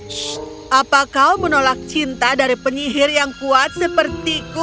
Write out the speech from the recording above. sh apa kau menolak cinta dari penyihir yang kuat sepertiku